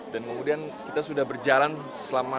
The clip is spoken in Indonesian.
dan kemudian kita sudah berjalan selama